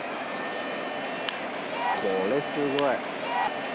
これすごい。